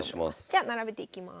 じゃ並べていきます。